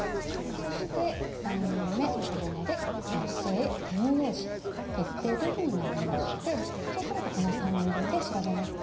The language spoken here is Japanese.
そして３人目、子どもで女性、乳幼児決定というふうになりましてそうするとこの３人分で調べますか？